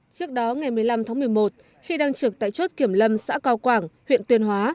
trước đó ngày một mươi năm tháng một mươi một khi đang trực tại chốt kiểm lâm xã cao quảng huyện tuyên hóa